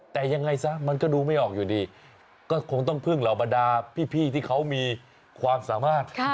แต่ยังไงซะมันก็ดูไม่ออกอยู่ดีก็คงต้องพึ่งเหล่าบรรดาพี่ที่เขามีความสามารถ